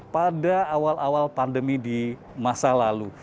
pada awal awal pandemi di masa lalu